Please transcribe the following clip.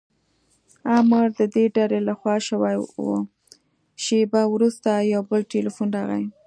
امر د ډلې له خوا شوی و، شېبه وروسته یو بل ټیلیفون راغلی.